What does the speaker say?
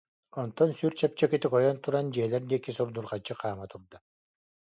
Онтон сүр чэпчэкитик ойон туран, дьиэлэр диэки сурдурҕаччы хаама турда